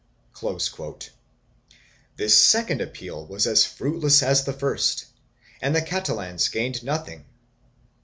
"1 This second appeal was as fruitless as the first and the Catalans gained noth ing.